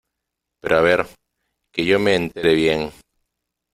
pero a ver , que yo me entere bien .